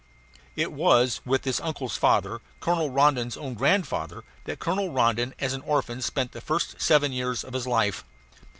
It was with this uncle's father, Colonel Rondon's own grandfather, that Colonel Rondon as an orphan spent the first seven years of his life.